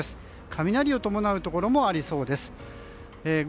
雷を伴うところもありそうです。